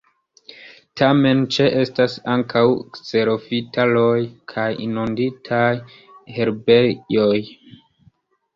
Tamen ĉeestas ankaŭ kserofitaroj kaj inunditaj herbejoj.